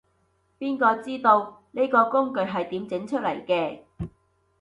邊個知道，呢個工具係點整出嚟嘅